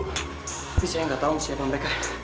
tapi saya nggak tahu siapa mereka